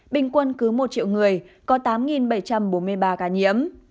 bình quân cứ một triệu người có tám bảy trăm bốn mươi ba ca nhiễm